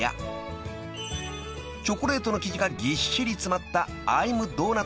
［チョコレートの生地がぎっしり詰まったＩ’ｍｄｏｎｕｔ？